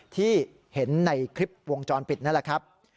ที่เห็นในคลิปวงจรปิดนั่นแหละครับ